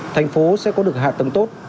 thành phố sẽ có được hạ tầng tốt